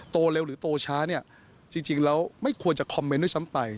โตเร็วหรือโตช้าเนี่ยจริงแล้วไม่ควรจะคอมเมนต์ด้วยซ้ำไป